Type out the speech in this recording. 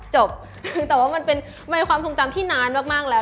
จบแต่ว่ามันเป็นความทรงจำที่นานมากแล้ว